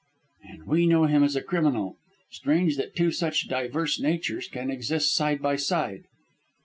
"And we know him as a criminal. Strange that two such diverse natures can exist side by side."